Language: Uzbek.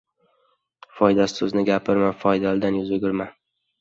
• Foydasiz so‘zni gapirma, foydalidan yuz o‘girma.